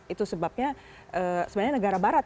itu sebabnya sebenarnya negara barat